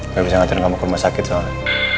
nggak bisa ngajarin kamu ke rumah sakit soalnya